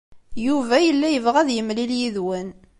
Yuba yella yebɣa ad yemlil yid-wen.